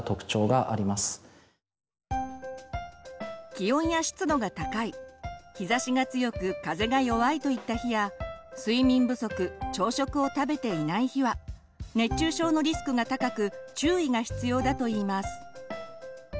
気温や湿度が高い日ざしが強く風が弱いといった日や睡眠不足朝食を食べていない日は熱中症のリスクが高く注意が必要だといいます。